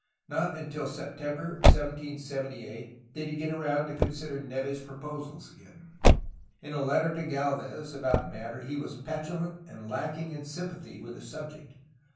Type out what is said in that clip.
Not until September 1778 did he get around to consider Neve's proposals again. In a letter to Gdlvez about the matter he was petulant and lacking in sympathy with the subject.